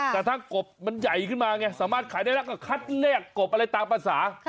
แต่ถ้ากบมันใหญ่ขึ้นมาไงสามารถขายได้แล้วก็คัดแลกกบอะไรตามภาษา